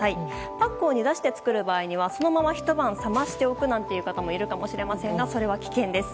パックを煮出して作る場合にはそのまま、ひと晩冷ましておくなんて方もいるかもしれませんがそれは危険です。